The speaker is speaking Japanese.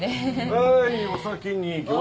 はいお先に餃子。